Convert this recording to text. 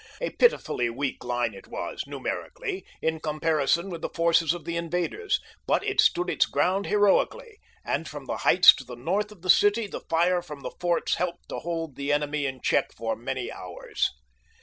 A pitifully weak line it was, numerically, in comparison with the forces of the invaders; but it stood its ground heroically, and from the heights to the north of the city the fire from the forts helped to hold the enemy in check for many hours.